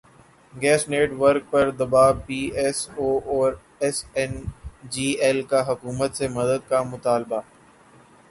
gas network پر دبا P S O اور ایس این جی ایل کا حکومت سے مدد کا مطالبہ